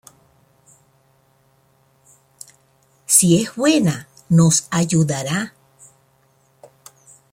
Si es buena, nos ayudará".